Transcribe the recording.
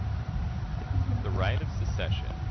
The Right of Secession.